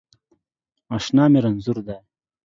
اشنا می رنځور دی